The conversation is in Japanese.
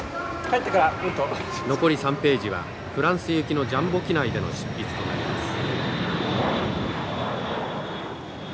残り３ページはフランス行きのジャンボ機内での執筆となります。